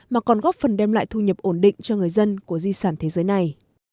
mà còn góp phần đem lại thu nhập ổn định cho người dân của di sản thế giới này